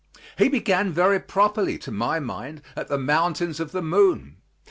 He began very properly, to my mind, at the Mountains of the Moon.